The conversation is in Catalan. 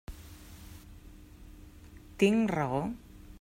Tinc raó?